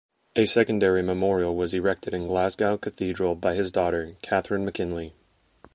A secondary memorial was erected in Glasgow Cathedral by his daughter, Katherine MacKinlay.